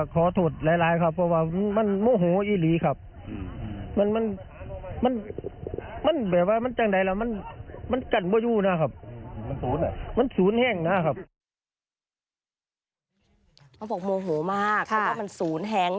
เขาบอกโมโหมากเพราะว่ามันศูนย์แห่ง